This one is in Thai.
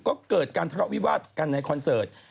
ก็เกิดการทะเลาะวิวาสกันในคอนเสิร์ต